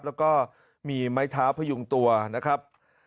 แล้วก็มีไม้เท้าพยุงตัวนะครับ